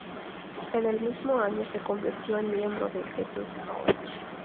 En el mismo año se convirtió en miembro del "Jesus College".